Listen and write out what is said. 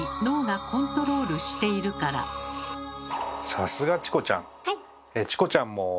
さすがチコちゃん！